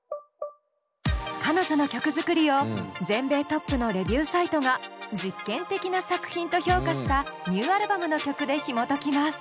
彼女の曲作りを全米トップのレビューサイトが「実験的な作品」と評価したニューアルバムの曲でひもときます。